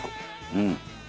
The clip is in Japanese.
うん。